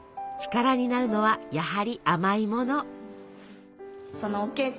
力になるのはやはり甘いもの。